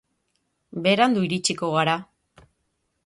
Berandu iritsiko gara.